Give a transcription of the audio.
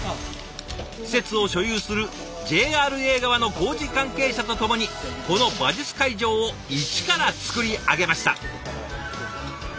施設を所有するＪＲＡ側の工事関係者と共にこの馬術会場をイチからつくり上げました。